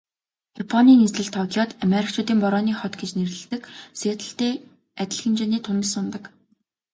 Японы нийслэл Токиод Америкчуудын Борооны хот гэж нэрлэдэг Сиэтллтэй адил хэмжээний тунадас унадаг.